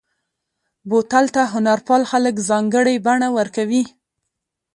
بوتل ته هنرپال خلک ځانګړې بڼه ورکوي.